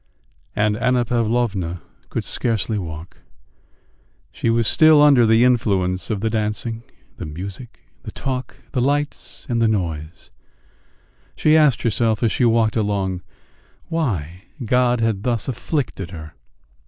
And Anna Pavlovna could scarcely walk.... She was still under the influence of the dancing, the music, the talk, the lights, and the noise; she asked herself as she walked along why God had thus afflicted her.